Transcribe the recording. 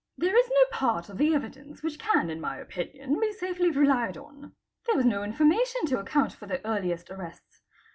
"There is no part of the evidence which can in my opinion be safely | relied on. There was no information to account for the earliest arrests.